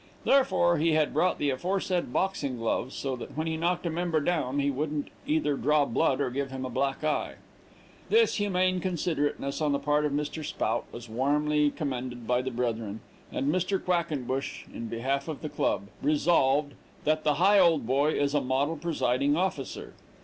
Therefore, he had brought the aforesaid boxing gloves, so that when he knocked a member down, he wouldn't either draw blood or give him a black eye. This humane considerateness on the part of Mr. Spout was warmly commended by the brethren, and Mr. Quackenbush, in behalf of the club, Resolved, that the Higholdboy is a model presiding officer.